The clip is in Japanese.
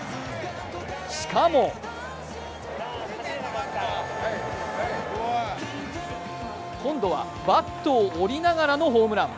しかも今度はバットを折りながらのホームラン。